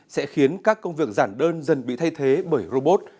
sẽ khiến các công việc giản đơn dần bị thay thế bởi robot